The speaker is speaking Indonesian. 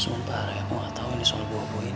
sumpah raya gua nggak tahu soal buah buah ini